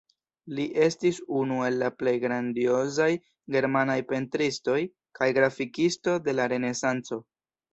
Li estis unu el la plej grandiozaj germanaj pentristoj kaj grafikisto de la Renesanco.